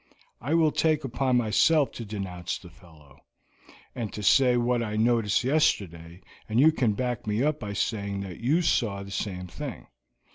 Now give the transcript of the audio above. I will take upon myself to denounce the fellow, and to say what I noticed yesterday and you can back me up by saying that you saw the same thing.